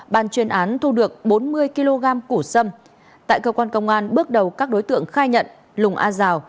ban chuyên án thu được bốn mươi kg củ xâm tại cơ quan công an bước đầu các đối tượng khai nhận lùng a giào